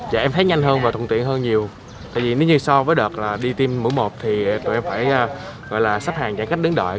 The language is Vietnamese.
dạ em thấy nhanh hơn và thuận tiện hơn nhiều tại vì nếu như so với đợt là đi tiêm mũi một thì tụi em phải gọi là sắp hàng chẳng cách đứng đợi